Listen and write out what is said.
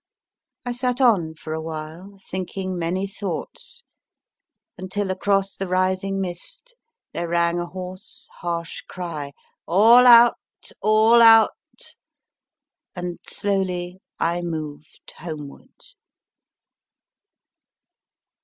I sat on for a while, thinking many thoughts, until across the rising mist there rang a hoarse, harsh cry, All out, All out, and slowly I moved homeward.